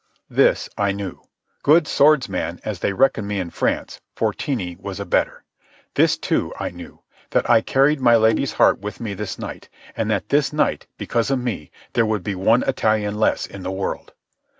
This I knew: good swordsman as they reckoned me in France, Fortini was a better. This, too, I knew: that I carried my lady's heart with me this night, and that this night, because of me, there would be one Italian less in the world.